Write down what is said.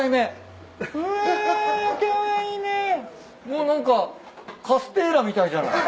もう何かカステーラみたいじゃない。